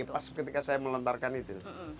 iya pas ketika saya melentarkan itu